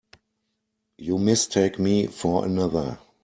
You mistake me for another.